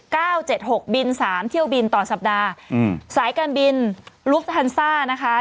เจ็ดหกบินสามเที่ยวบินต่อสัปดาห์อืมสายการบินลูฟฮันซ่านะคะ